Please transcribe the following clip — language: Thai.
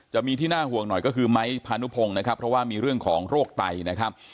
จะมีที่น่าห่วงหน่อยก็คือไม้พานุพงศ์นะครับเพราะว่ามีเรื่องของโรคไตนะครับ